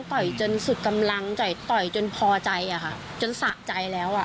ต่อยจนสุดกำลังต่อยต่อยจนพอใจอะค่ะจนสะใจแล้วอ่ะ